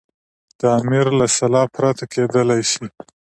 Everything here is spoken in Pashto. د امیر له سلا پرته کېدلې.